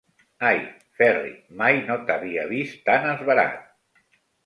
Ai, Ferri, mai no t'havia vist tan esverat.